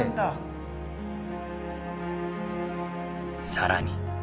更に。